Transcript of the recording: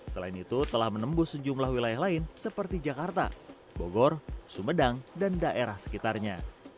selain itu telah menembus sejumlah wilayah lain seperti jakarta bogor sumedang dan daerah sekitarnya